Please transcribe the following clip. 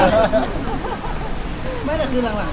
ทำไมสวีตอยู่ตรงนี้